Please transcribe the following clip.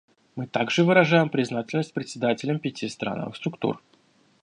Мы также выражаем признательность председателям пяти страновых структур.